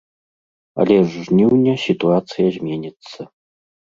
Але з жніўня сітуацыя зменіцца.